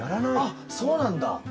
あっそうなんだ！